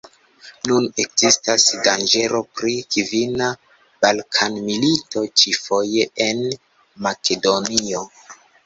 Nun ekzistas danĝero pri kvina Balkan-milito, ĉi-foje en Makedonio.